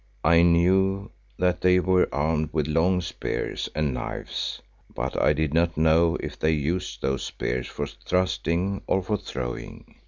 I knew that they were armed with long spears and knives but I did not know if they used those spears for thrusting or for throwing.